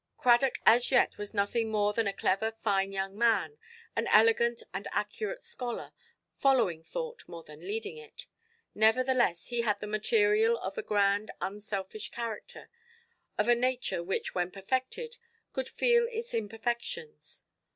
Cradock as yet was nothing more than a clever, fine young man, an elegant and accurate scholar, following thought more than leading it. Nevertheless, he had the material of a grand unselfish character—of a nature which, when perfected, could feel its imperfections.